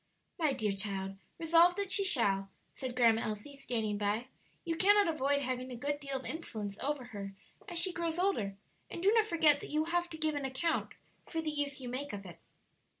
"My dear child, resolve that she shall," said Grandma Elsie, standing by; "you cannot avoid having a good deal of influence over her as she grows older, and do not forget that you will have to give an account for the use you make of it."